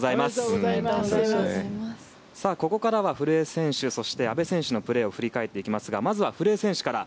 そしてここからは古江選手そして阿部選手のプレーを振り返っていきますがまずは古江選手から。